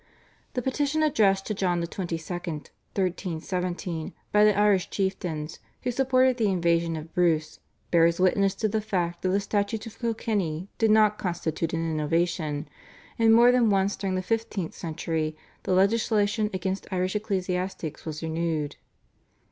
The petition addressed to John XXII. (1317) by the Irish chieftains who supported the invasion of Bruce bears witness to the fact that the Statutes of Kilkenny did not constitute an innovation, and more than once during the fifteenth century the legislation against Irish ecclesiastics was renewed.